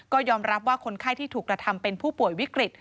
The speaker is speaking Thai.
ก็ยอมรับว่าคนไข้ที่ถูกกระทำเป็นผู้ป่วยวิกฤต